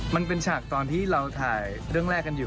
ฉากตอนที่เราถ่ายเรื่องแรกกันอยู่